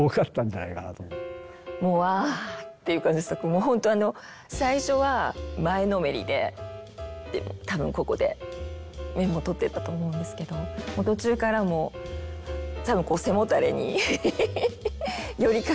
もうほんとあの最初は前のめりで多分ここでメモとってたと思うんですけど途中からもう多分こう背もたれに寄りかかってた気がします。